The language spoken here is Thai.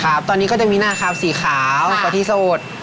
ครับตอนนี้ก็จะมีหน้าครับสีขาวพอที่โสด